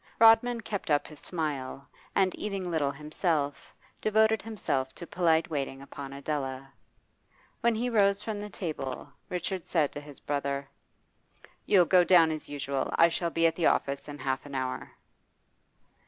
Rodman kept up his smile, and, eating little himself, devoted himself to polite waiting upon Adela. When he rose from the table, Richard said to his brother 'You'll go down as usual. I shall be at the office in half an hour.